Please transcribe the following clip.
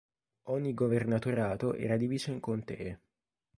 Ogni governatorato era diviso in contee.